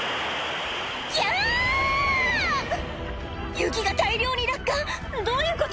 雪が大量に落下どういうこと？